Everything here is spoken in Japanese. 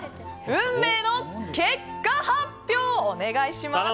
運命の結果発表お願いします。